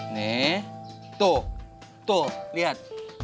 nih tuh tuh lihat